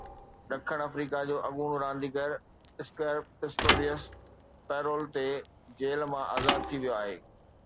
ڏکڻ آفريڪا جو اڳوڻو رانديگر اسڪر پسٽوريئس پيرول تي جيل مان آزاد ٿي ويو آهي